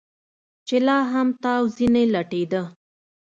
چې لا هم تاو ځنې لټېده.